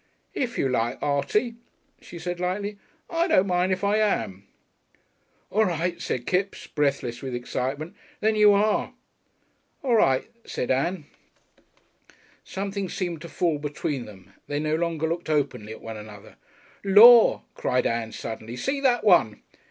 "If you like, Artie," she said lightly. "I don't mind if I am." "All right," said Kipps, breathless with excitement, "then you are." "All right," said Ann. Something seemed to fall between them, and they no longer looked openly at one another. "Lor'!" cried Ann suddenly, "see that one!"